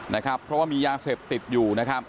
เพราะว่ามียาเส็บติดอยู่